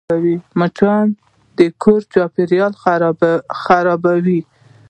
مچان د کور چاپېریال خرابوي